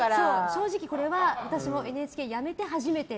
正直、これは私もＮＨＫ辞めて初めて。